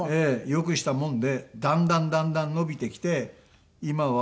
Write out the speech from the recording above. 良くしたものでだんだんだんだん伸びてきて今は４００５００